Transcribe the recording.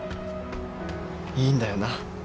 いいんだよな？